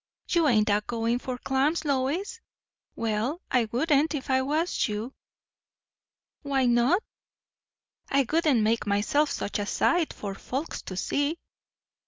"You ain't a goin' for clams, Lois? Well, I wouldn't, if I was you." "Why not?" "I wouldn't make myself such a sight, for folks to see."